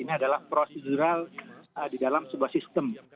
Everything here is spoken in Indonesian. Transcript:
ini adalah prosedural di dalam sebuah sistem